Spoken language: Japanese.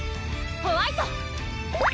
ホワイト！